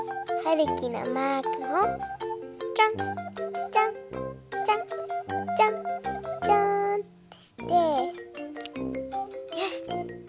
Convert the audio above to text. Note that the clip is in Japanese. るきのマークをちょんちょんちょんちょんちょんってしてよし！